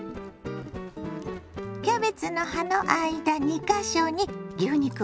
キャベツの葉の間２か所に牛肉をはさみます。